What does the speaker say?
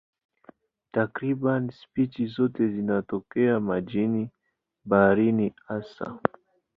Takriban spishi zote zinatokea majini, baharini hasa.